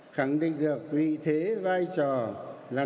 khẳng định được vị thế văn hóa